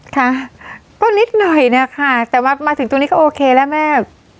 ค่ะก็นิดหน่อยเนี่ยค่ะแต่ว่ามาถึงตรงนี้ก็โอเคแล้วแม่